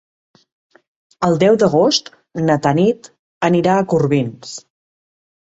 El deu d'agost na Tanit anirà a Corbins.